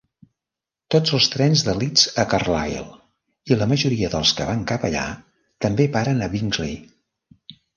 Tots els trens de Leeds a Carlisle i la majoria dels que van cap allà també paren a Bingley.